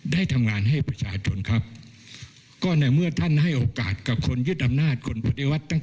ได้ทำงานให้จะถูกต้องกับดรายครั้ง